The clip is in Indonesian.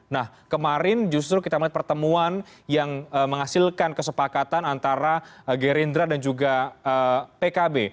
nah kemarin justru kita melihat pertemuan yang menghasilkan kesepakatan antara gerindra dan juga pkb